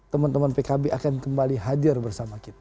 teman teman pkb akan kembali hadir bersama kita